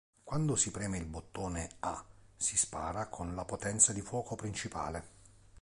Quando si preme il bottone A si spara con la potenza di fuoco principale.